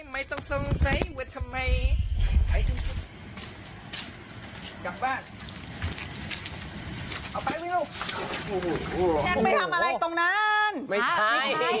แม็กซ์ไม่ทำอะไรตรงนั้น